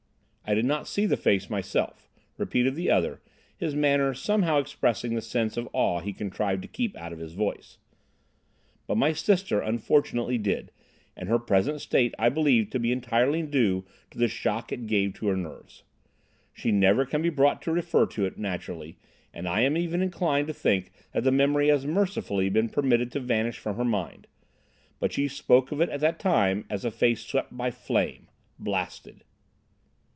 "I did not see the face myself," repeated the other, his manner somehow expressing the sense of awe he contrived to keep out of his voice, "but my sister unfortunately did, and her present state I believe to be entirely due to the shock it gave to her nerves. She never can be brought to refer to it, naturally, and I am even inclined to think that the memory has mercifully been permitted to vanish from her mind. But she spoke of it at the time as a face swept by flame—blasted."